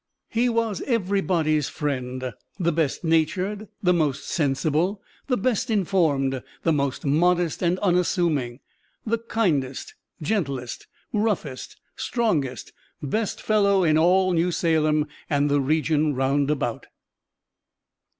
He was everybody's friend, the best natured, the most sensible, the best informed, the most modest and unassuming, the kindest, gentlest, roughest, strongest, best fellow in all New Salem and the region round about."